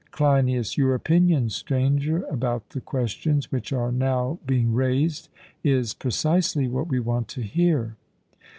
CLEINIAS: Your opinion, Stranger, about the questions which are now being raised, is precisely what we want to hear.